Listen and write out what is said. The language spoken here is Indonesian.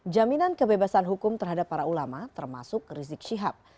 jaminan kebebasan hukum terhadap para ulama termasuk rizik syihab